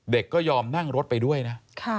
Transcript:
ก็ยอมนั่งรถไปด้วยนะ